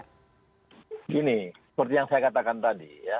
begini seperti yang saya katakan tadi ya